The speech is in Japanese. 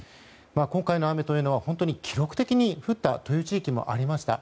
今回の雨というのは記録的に降ったという地域がありました。